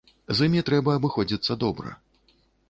З імі трэба абыходзіцца добра.